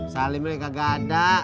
salim dia kagak ada